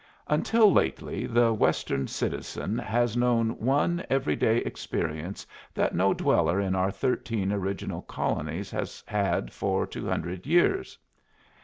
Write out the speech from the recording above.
Until lately the Western citizen has known one every day experience that no dweller in our thirteen original colonies has had for two hundred years.